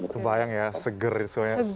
kebayang ya seger suwanya